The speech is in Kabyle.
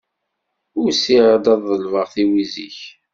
Usiɣ-d ad ḍelbeɣ tiwizi-k.